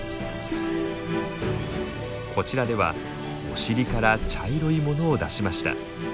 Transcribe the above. こちらではお尻から茶色いものを出しました。